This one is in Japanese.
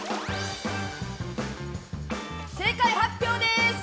正解発表です。